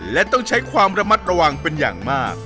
และต้องใช้ความระมัดระวังเป็นอย่างมาก